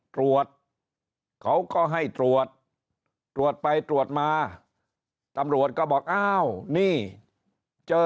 ตรวจเขาก็ให้ตรวจตรวจไปตรวจมาตำรวจก็บอกอ้าวนี่เจอ